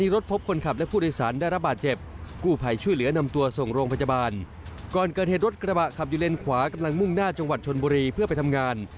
รถอยู่เลนขวากำลังมุ่งหน้าจังหวัดชนบุรีเพื่อไปทำงาน